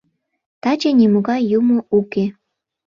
Таче нимогай юмо уке.